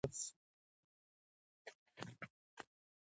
هغه خپل پلار په مصر کې ولید.